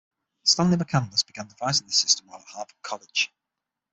Stanley McCandless began devising this system while at Harvard College.